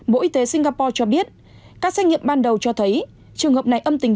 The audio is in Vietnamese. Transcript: bộ y tế singapore cho biết các xét nghiệm ban đầu cho thấy trường hợp này âm tính